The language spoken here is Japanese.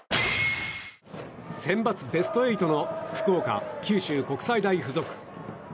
センバツベスト８の福岡・九州国際大付属。